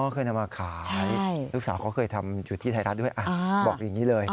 เคยนำมาขายลูกสาวเขาเคยทำอยู่ที่ไทยรัฐด้วยบอกอย่างนี้เลย